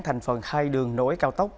thành phần hai đường nối cao tốc